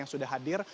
yang sudah hadir